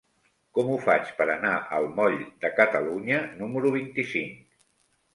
Com ho faig per anar al moll de Catalunya número vint-i-cinc?